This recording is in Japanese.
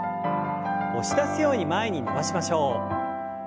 押し出すように前に伸ばしましょう。